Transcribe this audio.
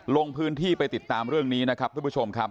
ลงพื้นที่ไปติดตามเรื่องนี้นะครับทุกผู้ชมครับ